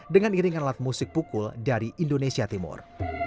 dengan iringan alat musik pukul dari indonesia timur